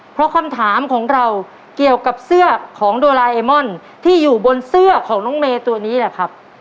เพราะคำถามของเราเกี่ยวกับเสื้อของโดราเอมอนที่อยู่บนเสื้อของน้องเมย์ตัวนี้แหละครับ